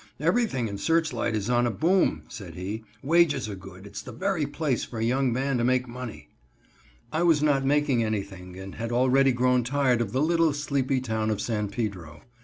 "Everything in Searchlight is on a boom," said he. "Wages are good, and it's the very place for a young man to make money." I was not making anything and had already grown tired of the little, sleepy town of San Pedro.